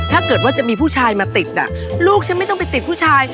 ถ้าเกิดว่าจะมีผู้ชายมาติดลูกฉันไม่ต้องไปติดผู้ชาย